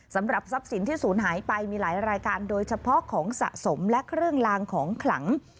สำหรับทรัพย์สินที่ศูนย์หายไปมีหลายรายการโดยเฉพาะของสะสมและเครื่องลางของขลัง